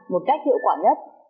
một cách hiệu quả nhất